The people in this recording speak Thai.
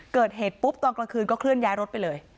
เกิดเหตุปุ๊บตอนกลางคืนก็เคลื่อนย้ายรถไปเลย